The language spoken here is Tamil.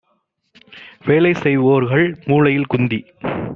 வேலைசெய் வோர்கள் மூலையில் குந்தி